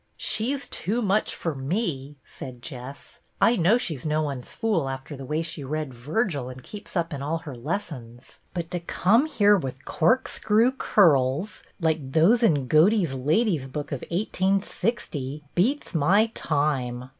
"She's too much forme," said Jess. "I know she 's no one 's fool, after the way she read Virgil and keeps up in all her lessons, but to come here with corkscrew curls, like those in Godey's Lady's Book of i860, beats my time."